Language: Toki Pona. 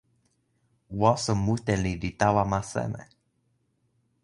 waso mute ni li tawa ma seme?